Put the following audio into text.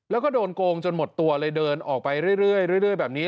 แล้วก็โดนโกงจนหมดตัวเลยเดินออกไปเรื่อยแบบนี้